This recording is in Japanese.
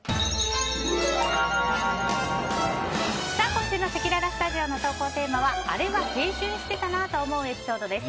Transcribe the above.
今週のせきららスタジオの投稿テーマはあれは青春してたなぁと思うエピソードです。